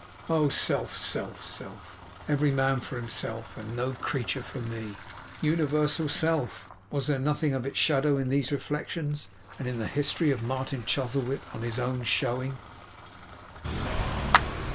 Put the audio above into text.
Oh self, self, self! Every man for himself, and no creature for me!' Universal self! Was there nothing of its shadow in these reflections, and in the history of Martin Chuzzlewit, on his own showing?